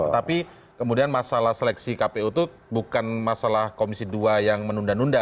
tapi kemudian masalah seleksi kpu itu bukan masalah komisi dua yang menunda nunda